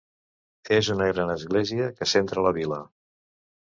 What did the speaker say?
És una gran església que centra la vila.